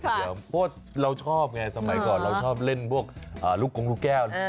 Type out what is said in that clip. เพราะว่าเราชอบไงสมัยก่อนเราชอบเล่นพวกลูกกงลูกแก้ว